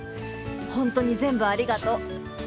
本当に全部ありがとう。